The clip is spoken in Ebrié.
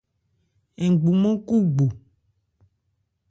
Ngbumán kú gbu.